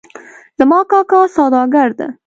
زما کاکا سوداګر ده